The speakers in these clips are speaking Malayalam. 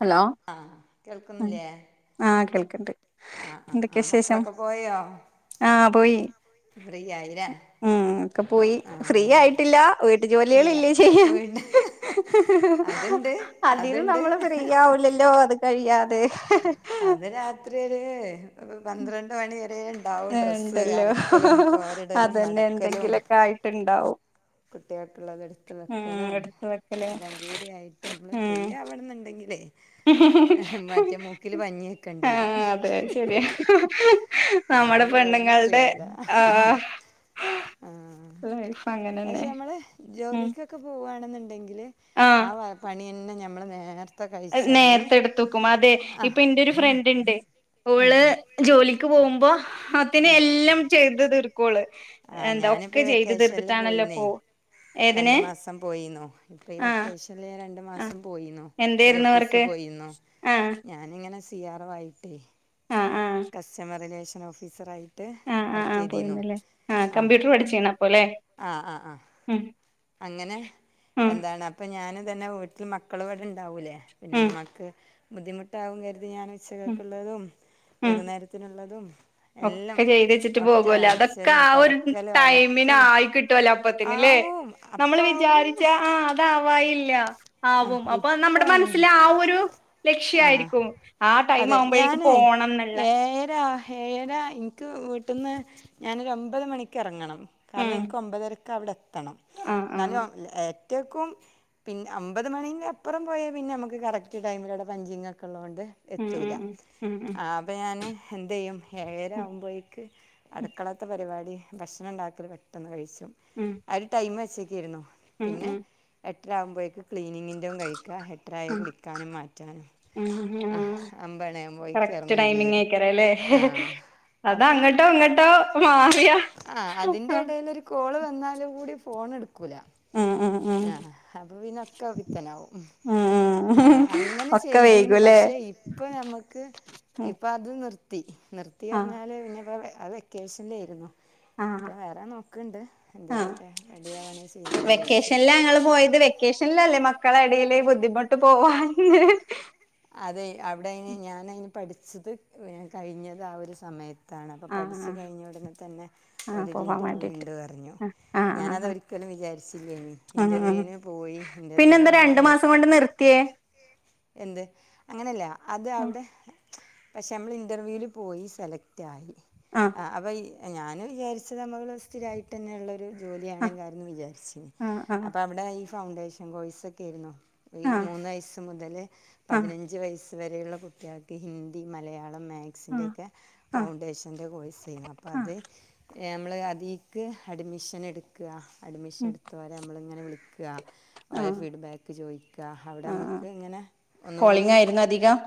ഹലോ ആഹ് കേൾക്കുന്നില്ലേ ആ കേൾക്ണ്ട് ആഹ് ആഹ് എന്തൊക്കെ ആഹ് ശേഷം മക്കളൊക്കെ പോയോ ആഹ് പോയി ഫ്രീ ആയില്ലേ ഉ ഒക്കെ പോയി ഫ്രീ ആഹ് ആയിട്ടില്ല വീട്ടു ഇല്ല ജോലികളല്ലേ ചെയ്യാൻ വീണ്ട അതുണ്ട് അതിം അതുണ്ട് നമ്മള് പ്ര ചെയ്യാവില്ലല്ലോ അത് കഴിയാതെ ത് അത് രാത്രിയരേ പന്ത്രണ്ട് മണിവ ഏ ണ്ടല്ലോ തോരിടലും അതന്നെ മടക്കലും എന്തെങ്കിലൊക്കെ ആയിട്ടുണ് ണ്ടാവു കുട്ടികൾക്കുള്ളത് എടുത്ത് വെക്കലും എടുത്ത് വെക്കല് എല്ലാം കൂടി ആയിട്ട് നമ്മൾ ഫ്രീ ആവണന്നു ണ്ടെങ്കിലെ പഞ്ഞി വെക്കേണ്ടി ആ വരും അതെ ശരിയാ നമ്മുടെ അല്ലാതെ ഇവിടുന്ന് ഫ്രീ പെണ്ണുങ്ങളുടെ ആ ആവൂല ആഹ് [unintelligible] പക്ഷെ അമ്മള് ജോലിക്കൊക്കെ പോക് പോ ആണെന്നുണ്ടങ്കി ഇലെ ആ വ പണിന്നെ ഞ നമ്മള് നേര് എയ് നേരത്തെ എടുത്ത് ക്കും അതെ ആഹ് ഇപ്പൊ എന്റെ ഒരു ഫ്രണ്ട് ണ്ട് ഉം ഒവള് ഉം ജോലിക്ക് പോകുമ്പോ അ ത്തിന് എല്ലാം ചെയ്ത് തി കൂള് ആഹ് എന്താ ഞാനിപ്പോ ഒക്കെ ഈ ചെയ്ത് വെക്കേഷനിൽ തീർതിട്ടാണല്ലോ പോയിന്നേ പോ ഏതിന് രണ്ടു മാസം പോയിന്നു പ്പ ഈ ആഹ് വെക്കേഷനൽ ഞ രണ്ട് ആഹ് മാസം പോയീന്നു ഒരു എന്തേരുന്നു ഓഫിസ് വർക്ക് പോയിന്നു ആഹ് ഞാനിങ്ങനെ സ് സി ആർ വൈ ടി ആഹ് ആഹ് കസ്റ്റമറിലേഷൻ ഓഫീസറായി ആഹ് ആഹ് ആഹ് പോയിന്നല്ലേ ആഹ് കമ്പ്യൂട്ടർ പഠിച്ചേണ അപ്പ അല്ലേ ആഹ് ആഹ് ആഹ് ഉം അങ്ങനെ ഉം എന്താണ് അപ്പോ ഞാന് തന്നെ വീട്ടിൽ മക്കളും ഇവിടെ ഉണ്ടാവൂല പിന്നെ ഉം ഇമ്മാക്ക് ബുദ്ധിമുട്ടാവും കരുതി അത് ഞാൻ ഉം ഉച്ചകൾക്കുള്ളതും ഉം വൈകുന്നേരത്തിനുള്ളതും എല്ലാം ഒക്കെ ചെയ്ത് വെച്ചിട്ട് ഒക്കെ പോകല്ലേ അതൊക്കെ അടിച്ചലും ആ ഒരു തുടക്കലും ടൈമിന് അലക്കലും ആയി കിട്ടുവലേ അപ്പത്തിനല്ലേ ആവും നമ്മൾ അപ്പാവും വിചാരിച്ച ആ അതാവല്ല ആ ആവും അപ്പൊ ഇപ്പം നമ്മുടെ ആവൂല മനസ്സിൽ ആ ഒരു ആഹ് ലക്ഷ്യയിരിക്കും ആ ടൈം അതെ ആവുമ്പോഴേക്ക് പോണംന്നുള്ള ഏയരാ എനിക്ക് വീട്ടിൽന്ന് ഞാനൊരു ഒമ്പത് മണിക്ക് ഇറങ്ങണം കാരണം ഉം എനക്ക് ഒമ്പതര കവിട എത്തണം ആ ആ നല്ല ഒറ്റയ്ക്കും പിന്നെ ഒമ്പത് മണിൻ്റെ അപ്പുറം പോയാൽ പിന്നെ നമുക്ക് കറക്റ്റ് ടൈമിലൂവി പഞ്ചിങ്ങൊക്കെള്ള കെണ്ട് അത് ഉം ഉം എത്തൂല ഉം ഉം ഉം അപ്പൊ ഞാന് എന്ത് ചെയ്യും ഉം ഏമരാകുമ്പോേക്ക് അടുക്കളാത്ത പരിപാടി ഭക്ഷണം ഉണ്ടാക്കല് പെട്ടെന്ന് കഴിച്ചു ഉം അയ്ല് ടൈം വ ച്ചക്കേരുന്നു ഉം പിന്നെ ഉം എട്ട് രാം പോയ്ക്ക് ക്ലീനിങ്ങിൻ്റെയും കഴിക്ക ഹെറ്ററായ കുളിക്കാനും മാ ഉം ഉം ഉം ഉം ഊം കറക്റ്റ് ഇറങ്ങും ടൈമിങ് ചെയ്യും എക്കറെല്ലേ ആ അപ്പോൾ അതങ്ങോട്ടോ ഇങ്ങട്ടോ മാറിയ ആ അതിൻ്റെ ഇടയിലൊരു കോള് വന്നാൽ കൂടി ഫോൺ എടു ക്കൂല ഉം ഉം ഉം ആ അപ്പം പിന്നൊക്കെ പിത്തനാവും ഉം ഉം ആഹ് ഇങ്ങനെ ഒക്കെ ചെയ്തീനു വൈകുല്ലേ പക്ഷെ ഇപ്പൊ ഇപ്പൊ ഞമക്ക് ഉം അത് നിർ ത്തി നിർത്തി ആഹ് അറ്ഞ്ഞാല് പിന്നെപ്പോ അത് വെക്കേഷനിലാരുന്നു ആഹ് ഇപ്പൊ വേറെ നോക്കണ്ട് ആഹ് എന്തേലൊക്കെ റെഡിയവാണെ ചെയ്യണം വിചാരിച്ചിട്ട് വെക്കേഷനിലാ ഞങ്ങള് പോയത് വെക്കേഷനിലല്ലേ മക്കളെ എടയില് ബുദ്ധിമുട്ട് പോവാൻ [unintelligible] അതെ അവിടെയിന് ഞാനയിന് പഠിച്ചത് കഴിഞ്ഞത് ആ ഒരു സമയ കാണാതെ ആഹ് പഠിച്ചു ആഹ് കഴിഞ്ഞ ഉടനെ തന്നെ ആഹ് ഓരു പോവാൻ ഇൻറർവ്യൂ വേണ്ടിട്ട് ഉണ്ട് പറഞ്ഞു ആഹ് ആഹ് ഞാനത് ആഹ് ഒരിക്കലും വിചാരിച്ചില്ലേനി ആഹ് ആഹ് ഇൻറർവ്യൂന് പോയി ഇൻറർവ്യൂൽ പിന്നെന്താ നമ്മൾ രണ്ടു മാസം സെലക്ട് കൊണ്ട് നിർത്തിയേ എന്ത് അങ്ങനെയല്ല അത് അവിടെ പക്ഷെ മ്മള് ഇന്റർവ്യൂൽ പോയി സെലക്ട് ആയി ആഹ് ആ അപയി ഞാനും വിചാരിച്ചത് നമ്മൾ സ്ഥിരമായിട്ട് തന്നെള്ളൊരു ആഹ് ജോലിയാണെങ്കകാരന്ന് വിചാരിച്ചിനി ആഹ് ആഹ് അപ്പ അവിടെ ഇ ഫൗണ്ടേഷൻ കോഴ്സ് ഒക്കെരുന്നു ഈ ആഹ് മൂന്ന്‌ വയസ്സ് മുതല് ആഹ് പതിനഞ്ച് വയ സ് വരെയുള്ള കുട്ടികൾക്ക് ഹിന്ദി മലയാളം ആഹ് മാത്സ്ന്റെയൊക്കെ ആഹ് ഫൗണ്ടേഷന്റെ കോഴ്സേനു അപ്പോ ആഹ് ആഹ് അത് ഞമ്മള് അതീക്ക് അഡ്മിഷൻ എടുക്ക്വ അഡ്മിഷൻ ഉം എടുത്തവരെ നമ്മളിങ്ങനെ വിളിക്കും ആ ഓരേ ആഹ് ഫീഡ്ബാക്ക് ചോദിക്കാ ആഹ് ആഹ് അവിടെമ്മക്ക് ഇങ്ങനെ കോളിംഗ് ഒന്നുകൂടിയും ആയിരുന്നു അധികം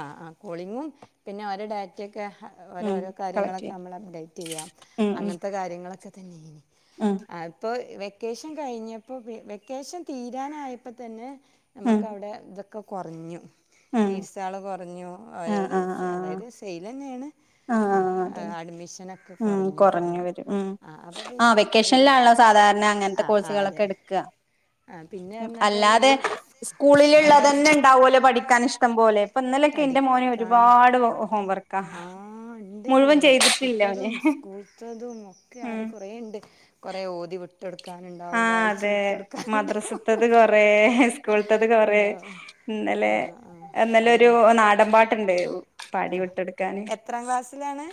ആ ആ കോളിങ്ങും പിന്നെ അവരെ ഡാറ്റക്കെ ക്കെ ഉം ഓരോരോ കളക്ട് കാര്യങ്ങളൊക്കെ ചെയ്യാൻ നമ്മള് അപ്ഡേറ്റെയ്യാം ഉം അങ്ങനത്തെ കാര്യങ്ങളൊക്കെ തന്നെനി ഉം അപ്പൊ വെ വെക്കേഷൻ കഴിഞ്ഞപ്പോ വെക്കേഷൻ തീരാനായപ്പതന്നെ ഉം ഉം നമക്കവിടെ ഇതൊക്കെ ഒക്കെ കൊറഞ്ഞു ഉം ലീഡ്സാള് കൊറഞ്ഞു അതായത് സെയില് തന്നെയാണ് ആ അതെ അഡ്മിഷനൊക്കെ ഉം കുറഞ്ഞു കുറഞ്ഞു കൊറഞ്ഞുവരും ഉം ആ അപ്പോൾ ആ പിന്നെ ഒരു വെക്കേഷലിലാണല്ലോ സാധാരണ അങ്ങനത്തെ ആ ആ കോഴ്സുകളൊക്കെ അതെ എടുക്ക ആ പിന്നെ പറഞ്ഞപ്പോൾ ഈ അല്ലാതെ ആ വെറു സ്കൂളിലുള്ളതന്നെ ഇണ്ടാവോലോ പഠിക്ക ക്കാനിഷ്ടം പോലെ ഇപ്പൊ ഇന്നലൊക്കെ എന്റെ മോന് പഠിക്കാനും ഒരുപാട് ഹോംവർക്ക് ആഹ് എന്തേയി മദ്രസിത്തതും സ്കൂളത്തതും ഒക്കെയായി കുറേ ഇണ്ട് കുറെ ഓതി വിട്ട് ആ അതെ മദ്രസത്തത് കൊറേ, സ്കൂളത്തത് കൊറേ, ഉണ്ടാവും ആ ഇന്നലെ ആ എന്നല്ലൊരു അതന്നെ നാടൻ പാട്ടുണ്ടായിന്നു. പാടി വിട്ടൊടുക്കാന് എത്രാം ക്ലാസ്സിലാണ്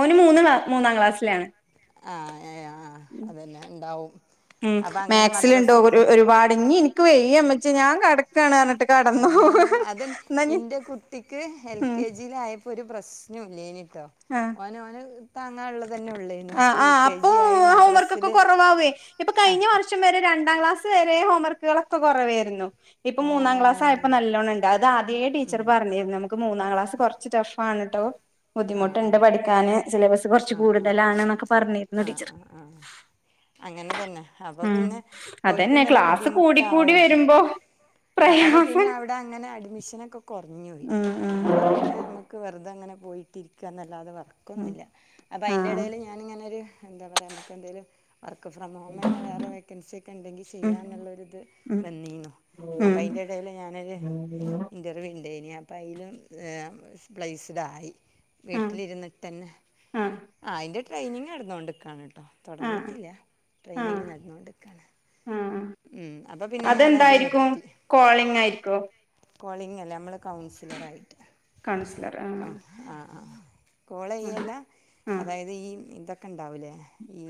ഓന് മൂന്ന് വ മൂന്നാം ക്ലാസ്സിലാണ്. ആ ആ അതന്നെ ഇണ്ടാവും. ഉം മാക്സിലുണ്ട് ഒരുപാട് ഇനി ഇനിക്ക് വയ് യ്യ മ്മച്ചി ഞാൻ കടക്കാണ് കടന്നു ആ അതെ എന്നാ ഇഞ്ഞി ഇന്റെ കുട്ടിക്ക് എൽ ഉം കെ ജിലായപ്പോ ഒരു പ്രശ സ്നുല്ലേന് ത്ത ആഹ് ഓന്ഓന് താങ്ങാള്ളത് തന്നെ ഉള്ളേരുന്നു ആ ഇപ്പോൾ ആ യു കെ അപ്പൊ ജി ആയി ഹോംവർക്ക് ഒക്കെ മദ്രസില് കുറവാവേ ആ സ് വരെ ഹോംവർക്കുകളൊക്കെകൊറവായിരുന്നു. ഇപ്പൊ മൂന്നാം ക്ലാസ് ആഹ് ആയപ്പോ നല്ലോണംണ്ട് അത് ആദ്യേ ടീച്ചർ പറഞ്ഞിരുന്നു നമുക്ക് മൂന്നാം ക്ലാസ് കുറച്ച് ടഫ് പാണട്ടോ ബുദ്ധിമുട്ടുണ്ട് പഠിക്കാന് സിലബസ് കുറച്ച് ആ ആ കൂടുതലാണ് എന്നൊക്കെ പറഞ്ഞിരുന്നു ആ ടീച്ചർ ആ ആ അങ്ങനെ തന്നെ അപ്പൊ ഉം പിന്നെ ഓരിക്കും അതന്നെ തന്നെ ക്ലാസ് കൂടിക്കൂടി ബുദ്ധിമുട്ടാവും വരുമ്പോ ആ അപ്പൊ പിന്നെ പ്രയാസം അവിടെ അങ്ങനെ അഡ്മിഷനൊക്കെ കൊറഞ്ഞോയി ഉം ഉം അപ്പൊ പിന്നെ നമക്ക് വെറുതെ അങ്ങനെ ബോയി ശർണല്ലാതെ വാ ഉം ഇക്കൊന്നുല്ല അപ്പൊ ആ അയിന്റെ എ ടേല് ഞാനിങ്ങനൊരു എന്ത പറയാ മ്മക്ക് എന്തേലും വർക്ക് ഫോം മോ മെന്നെ വേറെ വേക്കൻസി ഒക്കെ ഇണ്ടെങ്കി ഉം ചെയ്യാന്നുള്ളൊരു ഇത് ഉം വന്നീന്നു. അപ്പോ അയിൻ്റെ എടേല് ഞാനൊരു ഇൻറർവ്യൂ ഉണ്ടെയ്ന് അപ്പം അയിലും പ്ലൈസ്ഡായി ഉം വീട്ടിലിരുന്നിട്ട്ന്നെ ആ ആ ആഹ് ഇന്റെ വീട് ട്രയിനിങ്ങടന്നോണ്ട്ക്കാണ് തൊടങ്ങീട്ടില്ല ആ ആ ട്രെയിനിങ്ങ് നടന്നോണ്ട്ക്കാണ് ആ അതെന്തായിരിക്കും കോളിംഗ് ആയിരിക്കോ കോളിംഗ് അല്ലേ മ്മള് കൗൺസിലറായിട്ട് ആഹ് ആഹ് കോളയില്ല ആഹ് അതായത് ഈ ഇതൊക് ക്കെ ഇണ്ടാവുല്ലേ ഈ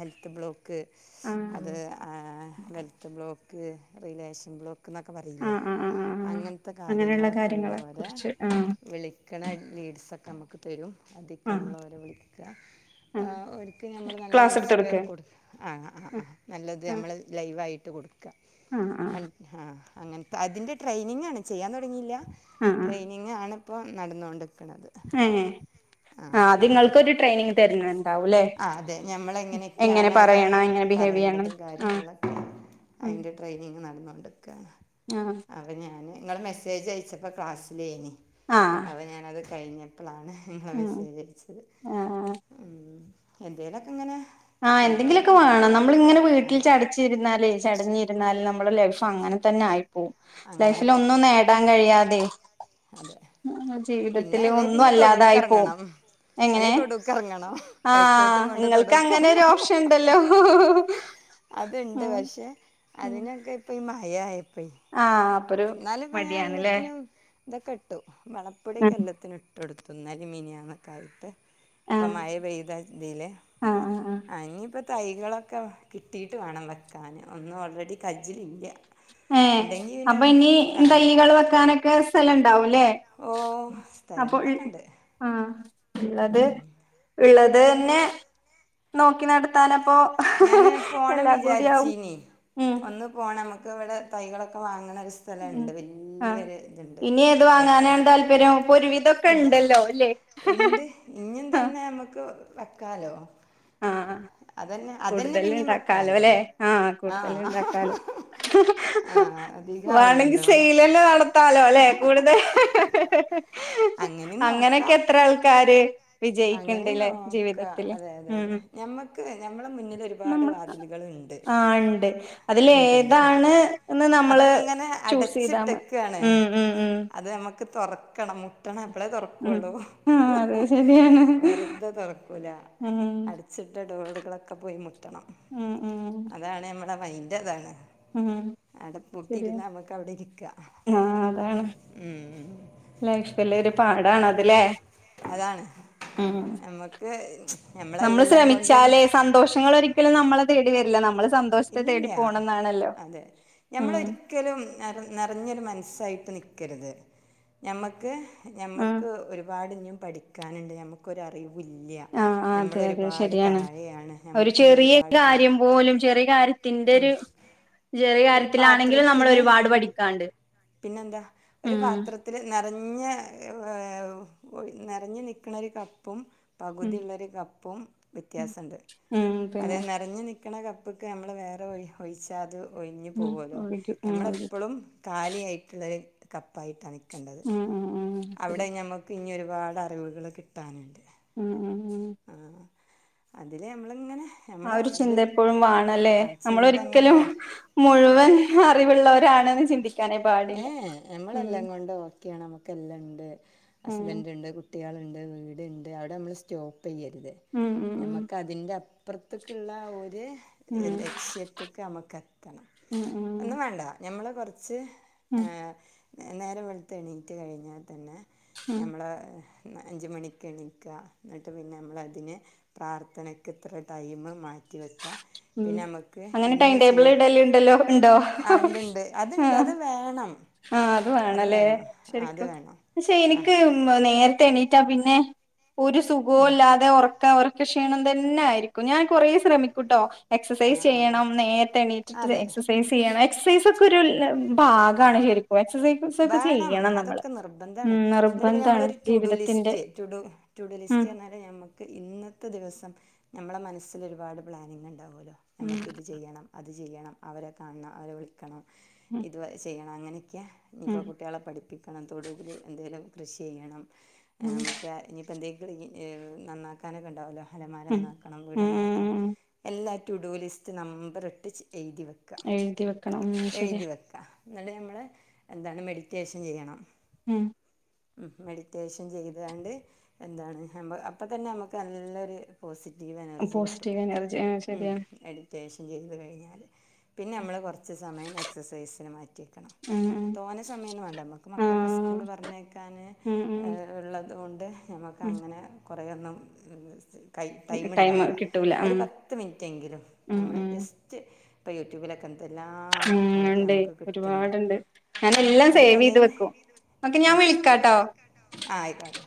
ഹെൽത്ത് ബ്ലോക് ക്ക് ആഹ് അത് ആഹ് ആഹ് ത് ബ്ലോക്ക് റിലേഷൻ ബ്ലോക്ക് ക്ക്ന്നെക്കെ പറീല്ലേ ആഹ് ആഹ് ആഹ് ആഹ് ആഹ് അങ്ങൻത്തെ അങ്ങനെയുള്ള കാര്യങ്ങളൊക്കെ കാര്യങ്ങളെ ഉള്ളോരെ കുറിച്ച് ആഹ് വിളിക്കണ ലീഡ്സൊ നമുക്ക് തരും. അതിക്ക് ആഹ് നമ്മളോരെ വിളിക്ക, ആഹ് ഒരിക്ക് നമ്മള് നല്ല ക്ലാസ് എടുത്ത് ഇൻസ്പെയർ കൊടുക്കെ കൊടു ആഹ് ആഹ് ആഹ് നല്ലത് ആഹ് ഞമ്മളത് ലൈവായിട്ട് കൊടുക് ക്ക ആഹ് ആഹ് പണ്ട് ഹാ അങ്ങൻത്ത അതിൻ്റെ ട്രെയിനിങ്ങാണ് ചെയ്യാൻ തുടങ്ങീല്ല. ട്രെയിനിങ് ആണ്. ഇപ്പോ നടന്നോണ്ട് ഏ ആഹ് അത് ഇങ്ങൾക്കൊരു ട്രെയിനിങ് തരണാന്ന് ആഹ് അതെ ഞമ്മളെങ്ങനെക്കെയാണ് അവ്ടെ പറയണം എങ്ങനെ ബിഹേവ് ചെയ്യണം പറയേണ്ടത് ആഹ് കാര്യങ്ങളൊക്കെ ഉം അയിന്റെ ട്രെയിനിങ് നടന്നോണ്ട്ക് ക്ക ആഹ് അപ്പ ഞാന് ഇങ്ങള് മെസ്സേജ് അയച്ചപ്പ ക്ലാസ്സിലേന് ആഹ് അപ്പോ ഞാനത് കൈഞ്ഞപ്പളാണ് ഉം [unintelligible] സ്വീകരിച്ചത്, ആഹ് മ് എന്തേലൊക്കെങ്ങനെ ആ എന്തെങ്കിലുമൊക്കെ വേണം നമ്മളിങ്ങനെ വീട്ടിൽ വേണം ചടച്ചിരുന്നാലേ ചടഞ്ഞിരുന്നാൽ നമ്മൾ [unintelligible] പ്പ അങ്ങനെ തന്നെ ആയി പോവും അങ്ങനെ ലൈഫിൽ ഒന്നും പോവും നേടാൻ കഴിയാതെ അതെ മ് പിന്നെ ജീവിതത്തില് അല്ലേ ഒന്നും പിന്നെ അല്ലാതായി പോവും, തൊടുക്കെറങ്ങണം എങ്ങനെ അല്ലെ തൊടുക്കെറങ്ങണം ആ കൈക്കോട്ടും കൊണ്ട് നിങ്ങൾ അങ്ങനെരു തൊടുക്കെറങ്ങണം ഓപ്ഷൻ ഉണ്ടല്ലോ. അത്ണ്ട് ഉം പക്ഷേ അതിനൊക്കെ ഇപ്പ ഈ മാ അയായി ആ എന്നാലും ഇപ്പോ ഞാൻ എല്ലാത്തിനും ദ കട്ടു വളപ്പുടെ ആഹ് കല്ലത്തിനു ഇട്ടൊട്ത്തു ഇന്നലിം മിനിയാന്നും ഒക്കെ ആയിട്ട് ഇപ്പ മഴ പെയ്ത ഇതിലേ ആഹ് ആഹ് ആഹ് ആ ഇഞ്ഞിപ്പ തൈ കളൊക്കെ വാ കിട്ടിയീട്ട് വാണം വെക്കാൻ ഒന്നും ഓൾറെഡി കജ്ജ്ലില്ലാ ഏ അപ്പ ഇ നി തൈകൾ വെക്കാനൊക്കെ ക്കാ സല ണ്ടാവും ലെ ഓ അപ്പം ഇൾ സ്ഥലങ്ങളൊക്കെ ഉണ്ട് ആ ഇള്ളത് ഇള്ളത് തന്നെ നോക്കി നട്ത്താനൊ പ്പോ ഞാൻ പോകണം എല്ലാം കൂടി ആവും ഉം ക്ക ഇവടെ തൈ കളൊക്കെ വാങ്ങി ങ്ങളെ ഒര് സ്ഥലം ഉം ഇണ്ട് ആഹ് വല്ല്യയൊര് ഇത്ണ്ട് ഇനി ഏത് ഏക്ക വാങ്ങാനാണ് താല്പര്യം ഇപ്പൊ ഒരുവിധൊക്കെ ഇത് ഉണ്ടല്ലോ അല്ലേ ഇണ്ട് ഇഞ്ഞും ആഹ് തന്നെ ഞമ്മക്ക് വെക്കാലോ അതെന്നെ കൂട്തൽ ഇണ്ടാക്കാലോ ലെ ആ കൂട്തൽ ഇണ്ടാക്കാലോ ആ വേണ്ടങ്കി അധികാവൂലല്ലോ സെയ്ലെന്നെ നടത്താലോ ലെ കൂട്തൽ അങ്ങനെ അങ്ങനെക്കെ നോക്കാം എത്ര ആൾക്കാര് അങ്ങനെ വിജയിക്ക്ണ്ട്ലെ നോക്കാം ജീവിതത്തിൽ അതെ അതെ ഞമ്മക്ക് ഞമ്മളെ മുന്നിൽ ഒരുപാട് നമ്മ വാതിൽ കൾ ഇണ്ട് ആഹ് ഇണ്ട് അതില് ഇണ്ട്ണ്ട് ഏതാണ് എന്ന് നമ്മള് അതൊക്കെ ഇങ്ങനെ ചൂസ് ചെയ്താ മ അടച്ച്ട്ടെക്കാണ് ഉം ഉം ഉം അത് ഞമ്മക്ക് തൊറക്കണം മുട്ടണം അപ്പളേ ഉം തുറക്കുള്ളൂ ആ അതെ ശരിയാ വെറുതെ തൊറക്കൂല അടച്ചിട്ട ഡോറുകളൊക്കെ പോയി മുട്ടണം ഉം ഉം അതാണ് ഞമ്മ ന്നാ മെയ്ന്റ് അതാണ് ഉം ആടെ ശരിയാ പൂട്ടിയിരുന്നാ ഞമ്മക്ക് അയുടെ ഇരിക്കാ ഉം ലെ ഇഷ്ട ഇല്ലൊര് പാടാണ് അത് ലെ അതാണ് ഉം നമുക്ക് നമ്മൾ നമ്മളെല്ലാം കൊണ്ടും ശ്രമിച്ചാല് സന്തോഷങ്ങൾ ഒരിക്കലും നമ്മ ളെ തെടി വെര്ല്ല നമ്മൾ ഇല്ലില്ല അതെ ഞമ്മൾ ഉം ഒരിക്കലും നെര നെറഞ്ഞൊരു മൻസ്സായി ട്ട് നിക്കര്ത് ഞമ്മക്ക് ആഹ് ഞമ്മക്ക് ഒരുപാട് ഇഞ്ഞും പഠിക്കാൻണ്ട് ഞമ്മക്കൊര് അറിവു വും ഇല്ല ആഹ് ഞമ്മൾ അതെ ഒര് അതെ പാട് ശരിയാണ് താഴയാണ് ഒരു ഞമ്മക്ക് ഇഞ് ഒര് പാട് പഠി ത്തിന്റെ ഒര് ചെറിയ കാര്യത്തിലാണെങ്കിലും നമ്മൾ പാത്രത്തില് ഒര് പാട് പഠിക്കാണ്ട് ഉം നെറഞ് നെറഞ്ഞ്നിക്കുണ ഒരു നിൽക്ക്‌ണ കപ്പും ഉം പകുതി ഇള്ള കപ്പും ഉം വ്യത്യാസണ്ട് ഉം അത് പിന്നെ നെറഞ്ഞ് നിൽ കിണകപ്പ് ഒക്കെ നമ്മള് വേറെ വഴി ഒഴിച്ചാ അത് ഒഴിഞ്ഞ് ഉം പോവാേല്ലോ ഒഴുകി ഉം ഒഴുകി നമ്മളെപ്പളും കാലിയായിട്ട്ള്ളത് കപ്പായിട്ടാണ് കണ്ടത് ഉം ഉം ഉം അവിടെ ശരിയാ ഞമ്മക്ക് പിന്നെ ഒരുപാട് അറിവുകള് കിട്ടാനുണ്ട് ഉം ഉം ഉം ആഹ് അതില് നമ്മളിങ്ങനെ ആഹ് നമ്മളെ ഒരു ഇത് ചിന്ത എപ്പഴും വാണല്ലേ ആ ചിന്ത ഇങ്ങനെ നമ്മളൊരിക്കലും വർ മുഴുവൻ അറിവുള്ളവരാണെന്ന് ചിന്തി ഏഹ് ഞമ്മളെല്ലാം കൊണ്ട് ഓക്കെയാണ് നമ്മുക്ക് എല്ലാം ഇണ്ട് ഉം ഹസ്ബൻറ് ഇണ്ട് കുട്ട് കുട്ട്യാള്ണ്ട് വീട്ണ്ട് അവിടെ നമ്മള് സ്റ്റോപ്പ് തെയ്യരുത് ഉം ഉം ഉം നമുക്ക് അതിൻ്റെ അപ്പർത്ത്ക്ക്‌ള്ള ഒരു ഉം ലക്ഷ്യത്ത്ക്ക് നമ്മക്ക് എത്തണം ഉം ഉം ഒന്നും വേണ്ട ഞമ്മള് കൊറ്ച്ച് ഉം ആഹ് ഞാ നേരം വെളുത്ത് എണീറ്റ് കഴിഞ്ഞാ തന്നെ ഉം നമ്മളെ ന അഞ്ച് മണിക്ക് എണീക്ക എന്നിട്ട് പിന്നെ നമ്മളതിനെ പ്രാർത്ഥനക്ക് ഇത്ര ടൈമ് മാറ്റ മാറ്റി വെക്കാ ഉം പിന്നെ നമ്മക്ക് അങ്ങനെ ടൈം ഇന്ന് ടേബിൾ ചെയ്യ് ഇടലുണ്ടല്ലോ ഉണ്ടോ ആ ഇണ്ട് ഇണ്ട് അത് ഇ ടണം. ആഹ് അതുവേണോല്ലേ അത് ശരിക്കും വേണം പക്ഷേ ആ എനിക്ക് നേരത്തെ എണീ റ്റാ പിന്നെ ഒരു സുഖവും ഇല്ലാതെ ഉറ ക്കാ ഉറക്കക്ഷീണം തന്നെ ആയിരിക്കും ഞാൻ കൊറേ ശ്രമിക്കൂട്ടോ ആ എക്സസൈസ് ആ ചെയ്യണം നേരെത്തെ എണീറ്റിട്ട് അതെ എക്സസൈസ് ചെയ്യണ എക്സസൈസ് ഒക്കെ ഒരു ഭാ ഗാണ് ശെരി വേണം അതൊക്കെ നിർബന്ധണ് ഉം എന്നിട്ട് നിർബന്ധാണ് നമ്മളൊരു റ്റു ടു ജീവിതത്തിന്റെ ലിസ്റ്റ് റ്റു ടു ഉം ലിസ്റ്റ് പറഞ്ഞാല് നമ്മക്ക് ഇന്നത്തെ ദിവസം നമ്മളെ മനസ്സിൽ ഒരുപാട് പ്ലാനിംഗ് ഉണ്ടാവും ഉം നമ്മക്ക് ഇത് ചെയ്യണം അത് അത് ചെയ്യണം അവരെ കാണണം അവരെ വിളിക്കണം ഉം ഇത് ചെയ്യണം അങ്ങനൊക്കാ ഉം ഇപ്പോൾ കുട്ടികളെ പഠിപ്പിക്കും കണം തോടുലും എന്തേങ്കിലും കൃഷി ചെയ്യണം ആ ഉം നമുക്ക് ഇനിയിപ്പോ എന്ത ക്ലീൻ നന്നാക്കാനൊക്കെ ഉണ്ടാവുല്ലോ അമലമാര ഉം ന്നാക്കണം ഉം വീടെന്നാക്കണം ഉം എല്ലാ റ്റുടു ലിസ്റ്റ് നമ്പറിട്ട് ചേ എഴുതി വെക്ക എഴുതി വെക്കണം ഉം ശരിയാ എഴുതി വെക്ക ന്നിട്ട് നമ്മളെ എന്താണ് മെഡിറ്റേഷൻ ചെയ്യണം ഉം മെഡിറ്റേഷൻ ചെയ്താണ്ട് എന്താണ് അപ്പൊ തന്നെ നമുക്ക് നല്ലൊരു പോസിറ്റീ റ്റി വന്നർജി കിട്ടും പോസിറ്റീവ് എനർജി ആ മം ശരിയാണ് അത്യാവശ്യം ചെയ്തു കഴിഞ്ഞാൽ പിന്നെ നമ്മൾ പൊറത്ത് കുറച്ച് സമയം എക്സസൈസിന് മാറ്റിവ വെക്കണം ഉം ഉം തോന്ന സമയൊന്നും വേണ്ട നമുക്ക് ആ മക്കളൊക്കെ സ്കൂള് പറഞ്ഞയക്കാൻ ഉം ഉം ഉള്ളതുകൊണ്ട് കൊണ്ട് നമ്മക്ക് ഉം അങ്ങനെ കുറേയൊന്നും കൈ ടൈമ ടൈമ് ഉണ്ടാവില്ല കിട്ടൂല ഒരു ഉം പത്ത് മിനിറ്റെങ്കിലും ഉം നമ്മൾ ഉം ജസ്റ്റ് ഇപ്പ യൂട്യൂബിലക്കെ എന്താ ഇതെല്ലാം ഉം ഉണ്ട് നമുക്ക് കിട്ടണ്ട് ഒരുപാടുണ്ട് ഞാൻ എല്ലാം സേവ് ചെയ്ത് വെക്കും ഒക്കെ ഞാൻ വിളിക്കാട്ടോ ആ ആയിക്കോട്ടെ